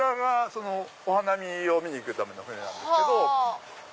お花を見に行くための船なんですけど。